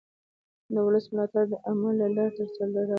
د ولس ملاتړ د عمل له لارې ترلاسه کېږي